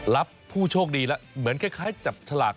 ผู้โชคดีแล้วเหมือนคล้ายจับฉลาก